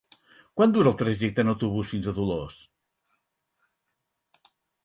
Quant dura el trajecte en autobús fins a Dolors?